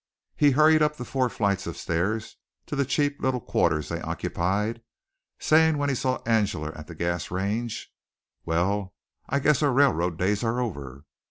He hurried up the four flights of stairs to the cheap little quarters they occupied, saying when he saw Angela at the gas range: "Well, I guess our railroad days are over."